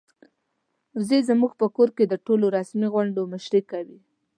وزې زموږ په کور کې د ټولو رسمي غونډو مشري کوي.